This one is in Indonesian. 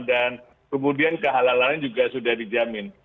dan kemudian kehalalan juga sudah dijamin